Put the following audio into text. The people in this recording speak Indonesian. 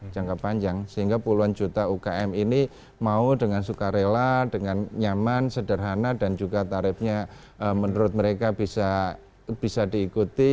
jangka panjang sehingga puluhan juta ukm ini mau dengan suka rela dengan nyaman sederhana dan juga tarifnya menurut mereka bisa diikuti